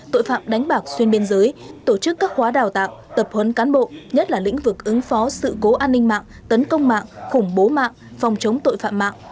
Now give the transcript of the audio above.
tội phạm đánh bạc xuyên biên giới tổ chức các khóa đào tạo tập huấn cán bộ nhất là lĩnh vực ứng phó sự cố an ninh mạng tấn công mạng khủng bố mạng phòng chống tội phạm mạng